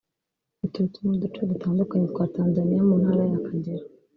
Baturutse mu duce dutandukanye twa Tanzaniya mu ntara ya Kagera